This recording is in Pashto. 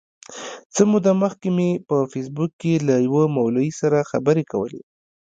څه موده مخکي مي په فېسبوک کي له یوه مولوي سره خبري کولې.